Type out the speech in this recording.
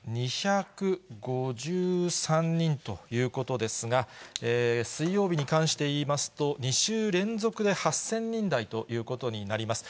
８２５３人ということですが、水曜日に関していいますと、２週連続で８０００人台ということになります。